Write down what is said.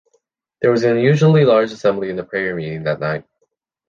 There was an unusually large assembly in the prayer meeting that night.